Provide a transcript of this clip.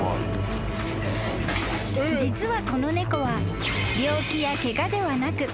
［実はこの猫は病気やケガではなく］